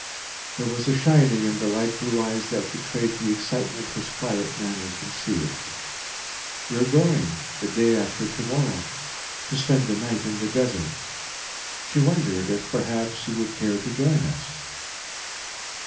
There was a shining in the light blue eyes that betrayed the excitement his quiet manner concealed. "We are going the day after to morrow to spend the night in the Desert; she wondered if, perhaps, you would care to join us?"